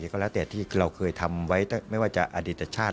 ก็แล้วแต่ที่เราเคยทำไว้ไม่ว่าจะอดีตชาติ